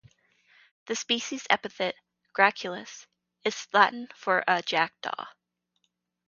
The species epithet "graculus" is Latin for a jackdaw.